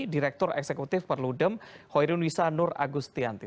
direktur eksekutif perludem hoirunwisa nur agustianti